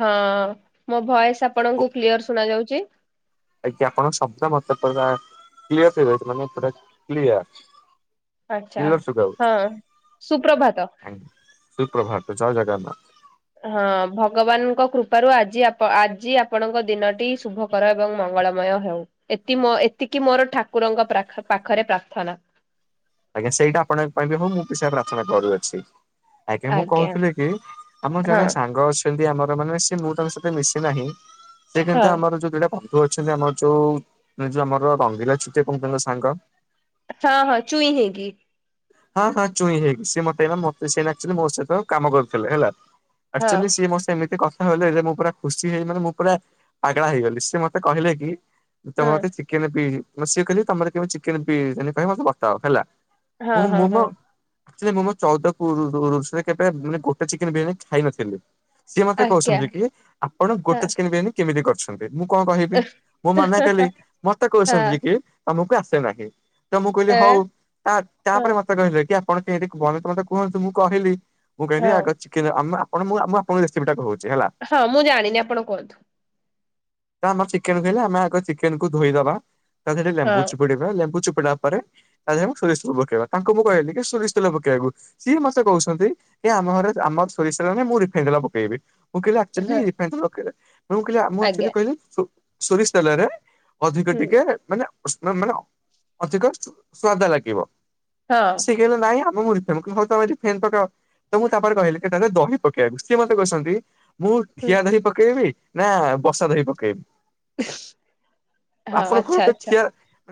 ହଁ ମୋ ଭଏସ ଆପଣଙ୍କୁ କ୍ଲିୟର ଶୁଣା ଯାଉଛି? ଆଜ୍ଞା ଆପଣ ଶବ୍ଦ ମତେ ପୁରା କ୍ଲିଅର ଶୁଭୁଛି ମାନେ ପୁରା କ୍ଲିଅର। ଆଚ୍ଛା କିଲର ସୁଖାଉଛି ହଁ। ସୁପ୍ରଭାତ ଆଞ ସୁପ୍ରଭାତ। ଜୟ ଜଗନ୍ନାଥ। ହଁ ଭଗବାନଙ୍କ କୃପାରୁ ଆଜି ଆପ ଆଜି ଆପଣଙ୍କ ଦିନଟି ଶୁଭକରାଗମ ମଙ୍ଗଳମୟ ହେଉ ଏତି ମୋ ଏତିକି ମୋର ଠାକୁରଙ୍କ ପ୍ରାଖ ପାଖରେ ପ୍ରାର୍ଥନା। ଆଜ୍ଞା ସେଇଟା ଆପଣଙ୍କ ପାଇଁ ବି ମୁଁ ପସୟରେ ପ୍ରାର୍ଥନା କରୁଅଛି। ଆଜ୍ଞା ମୁଁ କହୁଥିଲି କି ଆମ ଜଣେ ହଁ ସାଙ୍ଗ ଅଛନ୍ତି ଆମର ମାନେ ସେ ମୁଁ ତାଙ୍କ ସହିତ ମିଶି ନାହିଁ ସେ କେମତି ହଁ ଆମର ଯୋଉ ଦିଟା ବନ୍ଧୁ ଅଛନ୍ତି ଆମର ଯୋଉ ଯୋଉ ଆମର ରଙ୍ଗିଲା ଛୁଟିଆ କଛନ୍ତିଙ୍କ ସାଙ୍ଗ ହଁ ହଁ ଚୁଇଁ ହେଇ କି। ହଁ ହଁ ଚୁଇଁ ହେଇକି ସେ ମତେ ନା ମତେ ସେ ନା ଆକ୍ଚୁଲି ମୋ ସହିତ କାମ କରୁଥିଲେ ହେଲା। ହଁ ଆକ୍ଚୁଆଲି ସିଏ ମୁଁ ସେମିତି କ କଥା କହିଲେ ଯେ ମୁଁ ପୁରା ଖୁସି ହେଇ ମାନେ ମୁଁ ପୁରା ପାଗଳା ହେଇଗଲି ସେ ମତେ କହିଲେ କି ହଁ ତମରତ ଚିକେନ ପିିଏ ସିଏ କହିଲେ କି ତମର କେ ଚିକେନ ପିସ୍ ପାଇଁ ମତେ ବତା ହବ ହେଲା। ହଁ ମୁଁ ହଁ ମୁଁ ମୋ ହଁ। ମୁଁ ମୋ ଚଉଦ ପୁରୁଷ ପୁରୁଷରେ କେବେ ମାନେ ଗୋଟେ ଚିକେନ ବିରିୟାନୀ ଖାଇନଥିଲି। ସିଏ ମତେ ଆଜ୍ଞା କହୁଛନ୍ତି କି ଆପଣ ଗୋଟେ ହଁ ଚିକେନ୍ ବିରୀୟାନି କେମିତି କରୁଛନ୍ତି? ମୁଁ କଣ କହିବି ମୁଁ ମନା କଲି ମତେ ହଁ କହୁଛନ୍ତି କି ତମକୁ ଆସେ ନାହିଁ। ତ ମୁଁ କହିଲି ଏ ହଉ ତା ହଁ ତାପରେ ମତେ କହିଲେ କି ଆପଣ କେ ଟିକେ ଭଲକି ମତେ କୁହନ୍ତୁ ମୁଁ କହିଲି ମୁଁ କହିଲି ହଁ ଆଗ ଚିକେନ ଆମ୍ ଆପଣ ମୁ ଆପଣଙ୍କ ରେସିପିଟା କହୁଛି ହେଲା। ହଁ ମୁଁ ଜାଣିନି ଆପଣ କୁହନ୍ତୁ। ତ ଆମ ଚିକେନ କହିଲେ ଆମେ ଆଗ ଚିକେନକୁ ଧୋଇଦବା ତା ଦେହରେ ଟିକେ ଲେମ୍ବୁ ହଁ ଚୁପୁଡିବା ଲେମ୍ବୁ ଚୁପ୍ ତାପରେ ତା ଦେହରେ ମୁଁ ସୋରିସ୍ ପକୋଉ ପକେଇବା ତାଙ୍କୁ ମୁଁ କହିଲି କି ସୋରିଷ ତେଲ ପକେଇବାକୁ ସିଏ ମତେ କହୁଛନ୍ତି ଏ ଆମ ଘରେ ଆମର ସୋରିଷ ତେଲ ନାହିଁ ମୁଁ ରିଫ୍ [unintelligible] ପକେଇବେ ମୁଁ କହିଲି ହଁ ଆକ୍ଚୁଆଲି ତାଙ୍କର [unintelligible] ନା ମୁଁ କହିଲି ଆମର ଆଜ୍ଞା ଆକ୍ଚୁଆଲି କହିଲେ ସୋରିଷ ତେଲରେ ଅଧିକ ହୁଁ ଟିକେ ମାନେ ମାନେ ଅଧିକ ସୁଆଦ ଲାଗିବ। ହଁ ଶିଖିଲେ ନାହିଁ ଆପ୍ ମୁ ମୁଢ଼ି ଫେମ୍ ମେ ଫେନ୍ ପକାଅ ତ ମୁଁ ତାପରେ କହିଲି କି ଏତରେ ଦହି ପକେଇବାକୁ ସିଏ ମୋତେ କହୁଛନ୍ତି ମୁଁ ହୁଁ। ଠିଆ ଦହି ପକେଇବି ନା ବସା ଦହି ପକେଇବି? ହଁ ଆପଣ କଣ ଆଚ୍ଛା ତ ଆଚ୍ଛା। କ୍ୟା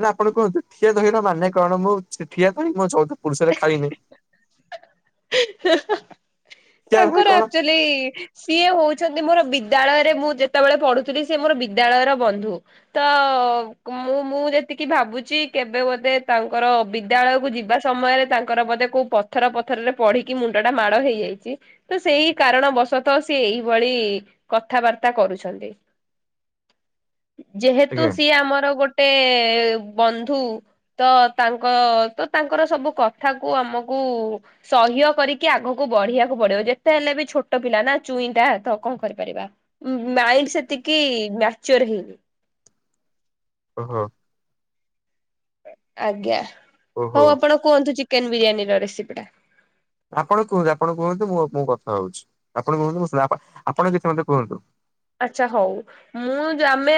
ନା ଆପଣ କୁହନ୍ତୁ ଠିଆ ଦହିର ମାନେ କଣ ମୁଁ ଠିଆ ଦହି ମୋ ଚଉଦ ପୁରୁଷରେ ଖାଇନି। [unintelligible] ଠିଆ ଦହି ତାଙ୍କର କଣ ଆକ୍ଚୁଆଲି ସିଏ ହଉଛନ୍ତି ମୋର ବିଦ୍ୟାଳୟରେ ମୁଁ ଯେତେବେଳେ ପଢୁଥିଲି ସେ ମୋର ବିଦ୍ୟାଳୟର ବନ୍ଧୁ ତ କ ମୁଁ ମୁଁ ଯେତିକି ଭାବୁଛି କେବେ ବୋଧେ ତାଙ୍କର ବିଦ୍ୟାଳୟକୁ ଯିବା ସମୟରେ ତାଙ୍କର ବୋଧେ କୋଉ ପଥର ପଥରରେ ପଢିକି ମୁଣ୍ଡଟା ମାଡ଼ ହେଇଯାଇଛି। ତ ସେଇ କାରଣବଶତଃ ସିଏ ଏଇଭଳି କଥାବାର୍ତ୍ତା କରୁଛନ୍ତି। ଯେହେତୁ ଆଜ୍ଞା ସିଏ ଆମର ଗୋଟ୍ ଏ ବନ୍ଧୁ ତ ତାଙ୍କ ତ ତାଙ୍କର ସବୁ କଥା କୁ ଆମକୁ ସହ୍ୟ କରିକି ଆଗକୁ ବଢିବାକୁ ପଡିବ ଯେ ହେଲେ ବି ଛୋଟ ପିଲା ନା ଚୁଇଁଟା ତ କଣ କରିପାରିବା ମାଇଣ୍ଡ ସେତିକି ମ୍ୟାଚୋର୍ ହେନି [inaudible] ଓ ହୋ। ଆଜ୍ଞା ଓହୋ ହଉ ଆପଣ କୁହନ୍ତୁ ଚିକେନ ବିରିୟାନୀ ର ରେସିପି ଟା। ଆପଣ କୁହନ୍ତୁ ଆପଣ କୁହନ୍ତୁ ମୁଁ ମୁଁ କଥା ହଉଛି ଆପଣ କୁହନ୍ତୁ ଆପଣ ଦେଖି ମତେ କୁହନ୍ତୁ ଆଚ୍ଛା ହଉ ମୁଁ ଆମେ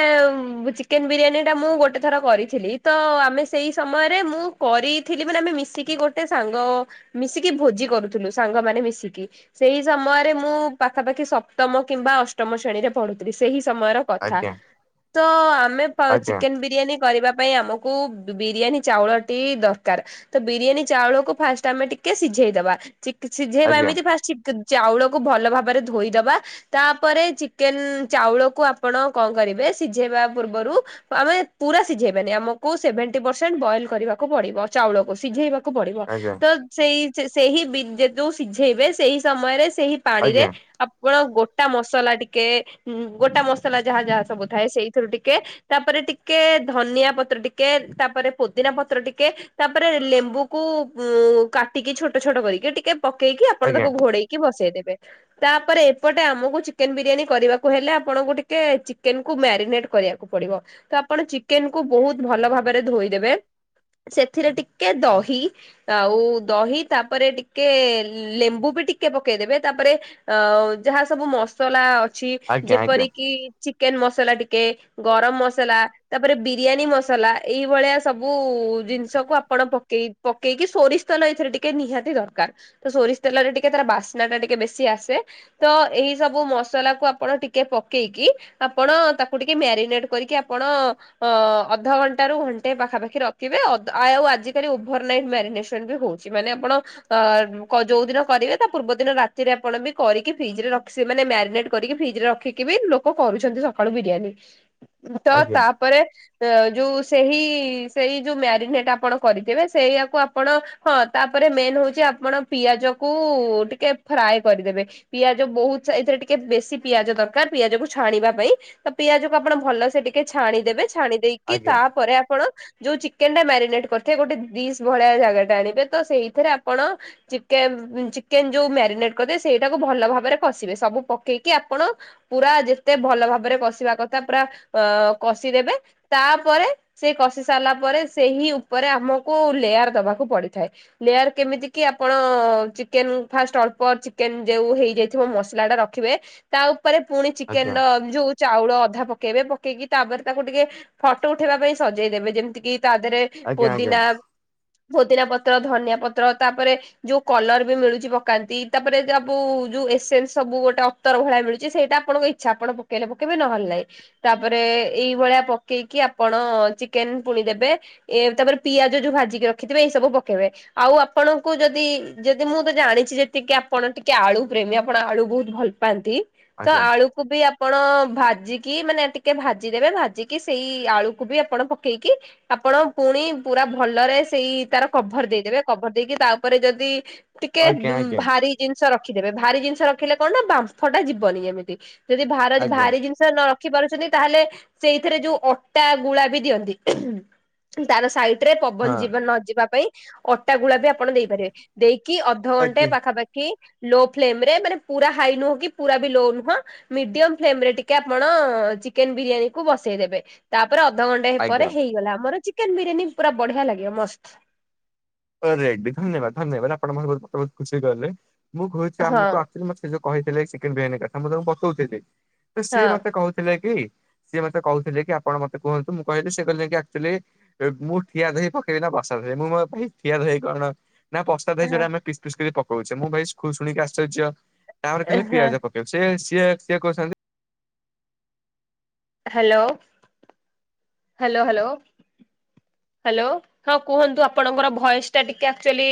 ଚିକେନ ବିରିୟାନୀଟା ମୁଁ ଗୋଟେ ଥର କରିଥିଲି ତ ତ ଆମେ ସେଇ ସମୟରେ ମୁଁ କରିଥିଲି ମାନେ ଆମେ ମିଶିକି ଗୋଟେ ସାଙ୍ଗ ମିଶିକି ଭୋଜି କରୁଥିଲୁ ସାଙ୍ଗମାନେ ମିଶିକି ସେଇ ସମୟରେ ମୁଁ ପାଖାପାଖି ସପ୍ତମ କିମ୍ବା ଅଷ୍ଟମ ସ ଶ୍ରେଣୀରେ ପଢ଼ୁଥିଲି ସେହି ସମୟର କଥା ଆଜ୍ଞା ତ ଆମେ ପା ଆଜ୍ଞା ଚିକେନ ବିରିୟାନୀ କରିବା ପାଇଁ ଆମକୁ ବିରିୟାନୀ ଚାଉଳ ଟି ଦରକାର ତ ବିରିୟାନୀ ଚାଉଳକୁ ଫାଷ୍ଟ ଆମେ ଟି କେ ସିଝେଇଦବା। ସିଝେଇବା ଆଜ୍ଞା ଏମିତି ଫାଷ୍ଟ ଚାଉଳକୁ ଭଲ ଭାବରେ ଧୋଇଦବା ତାପରେ ଚି ଚିକେନ ଚାଉଳକୁ ଆପଣ କଣ କରିବେ ସିଝେଇବା ପୂର୍ବରୁ ଆମେ ପୁରା ସିଝେଇବାନି ଆମ କୁ ସେଭେଣ୍ଟି ପରସେଣ୍ଟ ବଏଲ କରିବାକୁ ପଡିବ ଚାଉଳକୁ ସିଝେଇବାକୁ କୁ ପଡିବ ଆଜ୍ଞା ତ ସେ ସେହି ଯଉ ସିଝେଇବେ ସେଇ ସମୟରେ ସେହି ପାଣିରେ ଆଜ୍ଞା ଆପଣ ଗୋଟା ମସଲା ଟି ଟିକେ ଗୋଟା ମସଲା ଯାହା ଯାହା ସବୁ ଥାଏ ସେଇଥିରୁ ଟିକେ ତାପରେ ଟିକେ ଧନିଆ ପ ଟିକେ ତାପରେ ପୋଦିନା ପତ୍ର ଟିକେ ତାପରେ ଲେମ୍ବୁକୁ ଉ କାଟିକି ଛୋଟ ଛୋଟ ଟିକେ ପକେଇକି ଆପଣ ଆଜ୍ଞା ତାକୁ ଘୋଡେଇକି ବସେଇ ଦେବେ ତାପରେ ଏପଟେ ଆମକୁ ଚିକେନ ବିରିୟାନି କରିବାକୁ ହେଲେ ଆପଣଙ୍କୁ ଟିକେ ଚିକେନ କୁ ମ୍ୟାରିନେଟ କରିବାକୁ ପଡିବ ତ ଆପଣ ଚିକେନ କୁ ବହୁତ ଭଲ ଭାବରେ ଧୋଇଦେବେ। ସେଥିରେ ଟିକେ ଦହି ଆଉ ଦହି ତାପରେ ଟିକେ ଲେମ୍ବୁ ବି ଟିକେ ପକେଇଦେବେ ତାପରେ ଅ ଯାହା ସବୁ ମସଲା ଅ ଅଛି ଆଜ୍ଞା ଆଜ୍ଞା ଯେପର କିି ଚିକେନ ମସଲା ଟିକେ ଗରମ ମସଲା ତାପରେ ବିରିୟାନୀ ମସଲା ଏଇଭଳିଆ ସବୁ ଜିନିଷକୁ ଆପଣ ପକେଇ ପକେଇକି ସୋରିଷ ତେଲ ଏଥିରେ ଟିକେ ନିହାତି ଦରକାର ତ ସୋରିଷ ତେଲରେ ଟିକେ ତାର ବାସ୍ନା ଟା ଟିକେ ବେଶୀ ଆସେ ତ ଏଇ ସବୁ ମ ମସଲାକୁ ଆପଣ ଟିକେ ପକେଇକି ଆପଣ ତାକୁ ଟିକେ ମ୍ୟାରିନେଟ କରିକି ଆପଣ ଅ ଅଧଘଣ୍ଟାରୁ ର ଘଣ୍ଟେ ପାଖାପାଖି ରଖିବେ ଆଉ ଆଜିକାଲି ଓଭର ନେଟ୍ ମ୍ୟାରିନେସନ ବି ହଉଛି ମାନେ ଆପଣ ଯୋଉ ଦିନ କରିବେ ତା ପୂର୍ବ ଦିନ ରାତିରେ ଆପଣ ବି କରିକି ଫ୍ରିଜରେ ରଖି ସେ ମାନେ ମ୍ୟାରିନେଟ କରିକି ଫ୍ରିଜ ରେ ରଖିକି ବି ଲୋକ କରୁଛନ୍ତି ସକାଳୁ ବିରିୟାନୀ ତ ଆଜ୍ଞା ତାପରେ ଯୋଉ ସେହି ସେଇ ଯୋଉ ମ୍ୟାରିନେଟ ଆପଣ କରିଥିବେ ସେଇଆକୁ ଆପଣ ହଁ ତାପରେ ମେନ୍ ହଉଛି ଆପଣ ପିଆଜ କୁ ଟିକେ ଫ୍ରାଏ କରିଦେବେ ପିଆଜ ବହୁତ ଏଥିରେ ଟି ଟିକେ ବେଶୀ ପିଆଜ ଦରକାର ପିଆଜ କୁ ଛାଣିବା ପାଇଁ ତ ପିଆଜକୁ ଆପଣ ଭଲସେ ଟିକେ ଛାଣିଦେବେ। ଛାଣି ଦେଇେଇକି ଆଜ୍ଞା ତାପରେ ଆପଣ ଯୋଉ ଚିକେନ ଟା ମ୍ୟାରିନେଟ କରିେ ଗୋଟେ ଡିଶ ଭଳିଆ ଜାଗା ଟା ଆଣିବେ, ତ ସେଇଥିରେ ଆପଣ ଚିକେନ୍ ଚିକେନ ଯୋଉ ମ୍ୟାରିନେଟ କରିଥିବେ ସେଇଟାକୁ ଭଲ ଭାବରେ କଷିବେ ସବୁ ପକେ ପକେଇକି ଆପଣ ପୁରା ଯେତେ ଭଲ ଭାବରେ କଷିବା କଥା ପୁରା କଷିଦେବେ ତା ତାପରେ ସେ କଷି ସାରିଲା ପରେ ସେହି ଉପରେ ଆମକୁ ଲେୟାର ଦବାକୁ ପଡିଥାଏ। ଲେ କେମିତି କି ଆପଣ ଚିକେନ୍ ଫାର୍ଷ୍ଟ ଅଳ୍ପ ଚିକେନ୍ ଯେଉ ହେଇଯାଇଥିବ ମସଲାଟା ର ରଖିବେ ତା ଉପରେ ପୁଣି ଆଜ୍ଞା ଚିକେନର ଯୋଉ ଚାଉଳ ଅଧା ପକେଇବେ ପକେଇକି ତାପରେ, ତାକୁ ଟିକେ ଫଟୋ ଉଠେଇବା ପାଇଁ ସଜେଇଦେବେ ଯେମିତି କିି ତା ଧେରେ ଆଜ୍ଞା ଆଜ୍ଞା ଆଜ୍ଞା ପୋଦିନା। ପୋଦିନା ପତ୍ର, ଧନିଆ ପତ୍ର ତାପରେ ଯୋଉ କଲର ବି ମିଳୁଛି ପକାନ୍ତି ତାପରେ ସବୁ ଯୋଉ [unintelligible] ସବୁ। ଅତର ଭଳିଆ ମିଳୁଛି ସେଇଟା ଆପଣଙ୍କ ଇଚ୍ଛା ଆପଣ ପକେଇଲେ ପକେଇବେ ନ ହେଲେ ନାହିଁ ତାପରେ ଏଇ ଭଳିଆ ପକେଇ ଆପଣ ଚିକେନ ପୁଣି ଦେବେ ଏ ତାପରେ ପିଆଜ ଯୋଉ ଭାଜିକି ରଖିଥିବେ ଏଇ ସବୁ ପକେଇବେ। ଆଉ ଆପଣଙ୍କୁ ଯଦି ଯଦି ମୁଁ ତ ଜାଣିଛି ଯେତିକି, ଆପଣ ଟିକେ ଆଳୁ ପ୍ରେମୀ ଆପଣ ଆଳୁ ବହୁତ ଭଲ ପାନ୍ତି ତ ଆଳୁକୁ ବି ଆପଣ ଭା ଭାଜିକି ମାନେ ଟିକେ ଭାଜିଦେବେ ଭାଜିକି ସେଇ ଆଳୁକୁ ବି ଆପଣ ପକେଇକି ଆପଣ ପୁଣି ପୁରା ଭଲରେ ସେଇ ତାର କଭର ଦେଇଦେବେ କଭର ଦେଇକି ତା ଉପରେ ଯଦି ଟିକେ ଆଜ୍ଞା ଭାରି ଜିନିଷ ରଖିଦେବେ ଭାରି ଜିନିଷ ରଖିଲେ କଣ ବାମ୍ଫଟା ଯିବନି ଯେମିତି। ଯଦି ଭାର ଆଜ୍ଞା ଆଜ୍ଞା ଭାରି ଜିନିଷ ନ ରଖିପାରୁଛନ୍ତି ତାହେଲେ ସେଇଥିରେ ଯୋଉ ଅଟା ଗୁଳା ବି ଦିଅନ୍ତି। ତାର ସାଇ ଇଡରେ ପବନ ହଁ ଯିବା ନ ଯିବା ପାଇଁ ଅଟା ଗୁଳା ବି ଆପଣ ଦେଇପାରିବେ ଦେଇ କି ଅଧଘଣ୍ଟେ ଆଜ୍ଞା ପାଖାପାଖି ଲୋ ଫ୍ଲେମ ରେ ମାନେ ପୁରା ହାଇ ନୁହଁ କି ପୁରା ବି ଲୋ ନୁହଁ ମିଡିଅମ ଫ୍ଲେମ ରେ ଟିକେ ଆପଣ ଚିକେନ ବିରିୟାନୀ କୁ ବସେଇଦେବେ ତା ତାପରେ ଅଧଘଣ୍ଟେ ଆଜ୍ଞା ପରେ ହେଇଗଲା ଆମର ଚିକେନ ବିରିୟାନୀ ପୁରା ବଢିଆ ଲାଗିବ ମସ୍ତ। ରେଡ୍ଡି ଧନ୍ୟବାଦ ଧନ୍ୟବାଦ ଆପଣ ମାନେ ମୋତେ ବହୁତ ଖୁସି କଲେ ମୁଁ କହୁଛି ଆମକୁ ହଁ ଆସିଲେ ମତେ ସେ ଯୋଉ କହିଥିଲେ ଚିକେନ ବିରିୟାନୀ କଥା ମୁଁ ତାଙ୍କୁ ବତଉଥିଲି ତ ସିଏ ହଁ ମତେ କହୁଥିଲେ କି ସିଏ ମତେ କହୁଥିଲେ କି ଆପଣ ମତେ କୁହନ୍ତୁ ମୁଁ କହିଲି ସେ କହିଲେ କି ଆକ୍ଚୁଆଲି ମୁଁ ଠିଆ ଦହି ପକେଇବି ନା ବସା [unintelligible] ଠିଆ ଦହି କଣ ନା ବସା ଦହି ହଁ ଯୋରା ଆମେ ପିସ୍ ପିସ୍ କରି ପକଉଛେ ମୁଁ ଭାଇ ଶୁଣିକି ଆଶ୍ଚର୍ଯ୍ୟ। ତାପରେ କହିଲି ହଁ ପିଆଜ ପକେଇବ ସେ ସିଏ ସିଏ କହୁଛନ୍ତି ହାଲୋ ହାଲୋ ହାଲୋ ହାଲୋ ହଁ କୁହନ୍ତୁ ଆପଣଙ୍କର ଭଏସ ଟା ଟିକେ ଆକ୍ଚୁଆଲି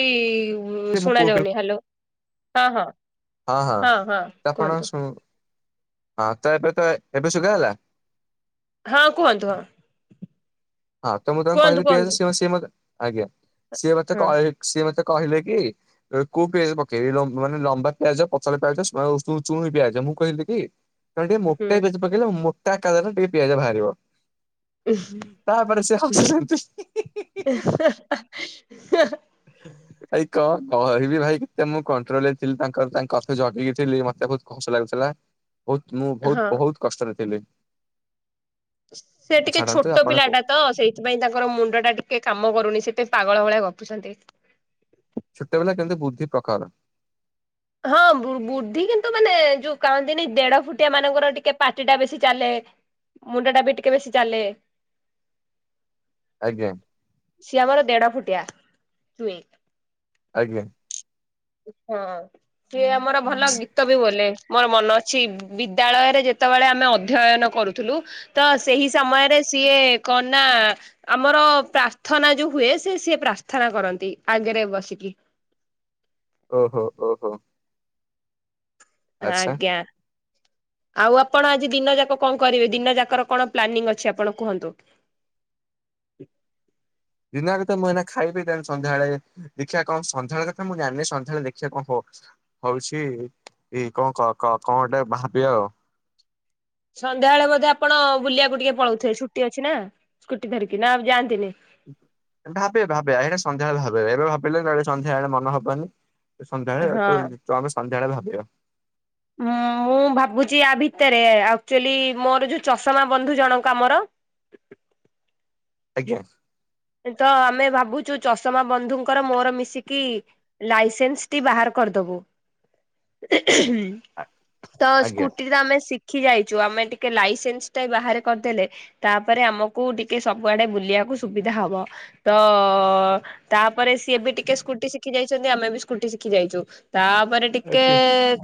ମୁଁ ଶୁଣା କୋଉ ଯାଉନି ହାଲୋ ହଁ - ହଁ -ହଁ ତ ଆପଣ କୁହନ୍ତୁ ଶୁ ହଁ ତ ଏବେ ତ ଏବେ ଶୁଗାଗଲା? ହଁ କୁହନ୍ତୁ ହଁ ହଁ ତ ମୁଁ ତାଙ୍କୁ କୁହନ୍ତୁ କହିଲି ପିଆଜ କୁହନ୍ତୁ ସିଏ ମତେ ସିଏ ମତେ ଆଜ୍ଞା ସିଏ ମତେ ହଁ କଇ ସିଏ ମତେ କହିଲେ କି କୋଉ ପିଆଜ ପକେଇବି ଲୋ ମାନେ ଲମ୍ବା ପିଆଜ ପତଳା ପିଆଜ ଚୁ ଚୁଇଁ ପିଆଜ ମୁଁ କହିଲି କି ତମେ ଟିକେ ହୁଁ ମୋଟା ପିଆଜ ପକେଇଲେ ମୋଟା [unintelligible] ଟିକେ ପିଆଜ ବାହାରିବ। ତାପରେ ସେ ହସୁଛନ୍ତି। ଉଁ ଭାଇ କଣ କହିବି ଭାଇ କେତେ ମୁଁ କଣ୍ଟ୍ରୋଲ ରେ ଥିଲି ତାଙ୍କର ତାଙ୍କ କଥା ଜଗିକି ଥିଲି ମତେ ବହୁତ ହସ ଲାଗୁଥିଲା ବହୁତ ମୁଁ ବହୁତ ହଁ। ବହୁତ କଷ୍ଟରେ ଥିଲି। ସେ ଟିକେ ଛାଡନ୍ତୁ ଛୋଟ ଆପଣ ପିଲାଟା ତ ସେଇଥିପାଇଁ ତାଙ୍କର ମୁଣ୍ଡ ଟା ଟିକେ କାମ କରୁନି ସେ ଏତେ ପାଗଳ ଭଳିଆ ଗପୁଛନ୍ତି। ଛୋଟପିଲା କିନ୍ତୁ ବୁଦ୍ଧି ପ୍ରଖର ହଁ ବୁ ବୁଦ୍ଧି କିନ୍ତୁ ମାନେ ଯୋଉ କହନ୍ତିନି ଦେଢ ଫୁଟିଆ ମାନଙ୍କର ଟିକେ ପାଟି ଟା ବେଶୀ ଚାଲେ। ମୁଣ୍ଡ ଟା ବି ଟିକେ ବେଶି ଚାଲେ ଆଜ୍ଞା ସିଏ ଆମର ଦେଢ ଫୁଟିଆ ଚୁଇଁ ଆଜ୍ଞା। ହଁ ସିଏ ଆମର ଭଲ ଗୀତ ବି ବୋଲେ ମୋର ମନ ଅଛି ବିଦ୍ୟାଳୟରେ ଯେ ଯେତେବେଳେ ଆମେ ଅଧ୍ୟୟନ କରୁଥିଲୁ, ତ ସେହି ସମୟରେ ସିଏ କଣ ନା ଆମର ତ ପ୍ରାର୍ଥନା ଯୋଉ ହୁଏ ସେ ସିଏ ପ୍ରାର୍ଥନା କରନ୍ତି ଆଗରେ ବସିକି। ଓହୋ ଓହୋ। ଆଚ୍ଛା। ଆଜ୍ଞା। ଆଉ ଆପଣ ଆଜି ଦିନ ଯାକ କଣ କରିବେ ଦିନ ଯାକର କଣ ପ୍ଲାନିଂ ଅଛି ଆପଣ କୁହନ୍ତୁ? [inaudible] ଦିନ ଜାକ ତ ମୁଁ ଏଇନା ଖାଇବି ତେଣୁ ସନ୍ଧ୍ୟାବେଳେ ଦେଖିବା କଣ ସନ୍ଧ୍ୟାବେଳେ କଥା ମୁଁ ଜାଣିନି ସନ୍ଧ୍ୟାବେଳେ ଦେଖିବା କଣ ହବ। ହଉଛି ଏଇ କ କ କ କଣ ଗୋଟେ ଭାବିବା ଆଉ। ସନ୍ଧ୍ୟାବେଳେ ବୋଧେ ଆପଣ ବୁଲିବାକୁ ଟିକେ ପଳଉଥିବେ ଛୁଟି ଅଛି ନା ସ୍କୁଟି ଧରିକି ନା ଆଉ ଯାଆନ୍ତି ନି। ଭାବେ ଭାବେ ଏଇଟା ସନ୍ଧ୍ୟାବେଳେ ଭାବେ ଏବେ ଭାବିଲେ କାଳେ ସନ୍ଧ୍ୟାବେଳେ ମନ ହବନି। ସନ୍ଧ୍ୟାବେଳେ ହଁ। ତ ତ ଆମେ ସନ୍ଧ୍ୟାବେଳେ ଭାବିବା। ଆଁ ଓ ମୁଁ ଭାବୁଚି ଆ ଭିତରେ ଆକ୍ଚୁଆଲି ମୋର ଯୋଉ ଚଷମା ବନ୍ଧୁ ଜଣକ ଆମର ଆଜ୍ଞା। ତ ଆମେ ଭାବୁଚୁ ଚଷମା ବନ୍ଧୁଙ୍କର ମୋର ମିଶିକି ଲାଇସେନ୍ସ ଟି ବାହାର କରି ଦବୁ ତ ଆଜ୍ଞା। ସ୍କୁଟି ତ ଆମେ ସି ଶିଖିଯାଇଚୁ ଆମେ ଟିକେ ଲାଇସେନ୍ସ ଟାଏ ବାହାରେ କରିଦେଲେ ତାପରେ ଆମକୁ ଟିକେ ସବୁଆଡେ ବୁଲିବାକୁ ସୁ ବିଧା ହବ ତ ତାପରେ ସିଏ ବି ଟିକେ ସ୍କୁଟି ଶିଖି ଯାଇଛନ୍ତି ଆମେ ବି ସ୍କୁଟି ଶିଖି ଯାଇଛୁ ତାପରେ ଟିକେ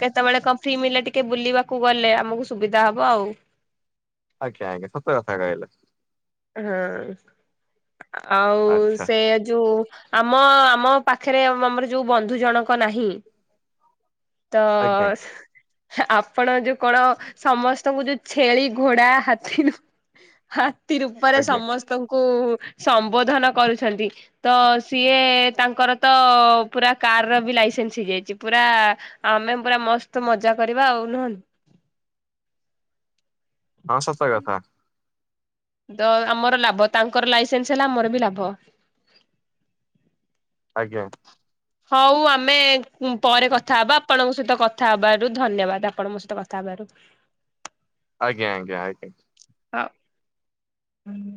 କେ ସେତେବେଳେ କଣ ଫି ମେ ଟିକେ ବୁଲିବାକୁ ଗଲେ ଆମକୁ ସୁବିଧା ହବ ଆଉ। ଆଜ୍ଞା ଆଜ୍ଞା ସତ କଥା କହିଲେ। ହୁଁ ଆଉ ଆଚ୍ଛା ସେଇଆ ଯୋଉ ଆମ ଆମ ପାଖରେ ଆମର ଯୋଉ ବନ୍ଧୁ ଜଣକ ନାହିଁ। ତ ଆଜ୍ଞା ଆପଣ ଯୋଉ କଣ ସମସ୍ତଙ୍କୁ ଯୋଉ ଛେଳି, ଘୋଡା, ହାତୀରୁୁ ହାତୀ ରୂପରେ ଆଜ୍ଞା ସମସ୍ତଙ୍କୁ କୁ ସମ୍ବୋଧନ କରୁଛନ୍ତି ତ ସିଏ ତାଙ୍କର ତ ପୁରା ଆର ବି ଲସେନ୍ସ ହେଇଯାଇଛି ପୁରା ଆମେ ପୁରା ମସ୍ତ ମଜା କରିବା ଆଉ ନୁହଁ। ହଁ ସତ କଥା। ତ ଆମର ଲାଭ ତାଙ୍କର ଲାଇସେନ୍ସ ହେଲା ଆମର ବି ଲାଭ। ଆଜ୍ଞା। ହଉ ଆମେ ପରେ କଥା ହବା ଆପଣଙ୍କ ସହିତ କଥା ହବାରୁ ଧନ୍ୟବାଦ ଆପଣଙ୍କ ମୋ ସହ କଥା ହେଲେ। ବାର। ଆଜ୍ଞା ଆଜ୍ଞା ଆଜ୍ଞା। ହଁ ହଁ।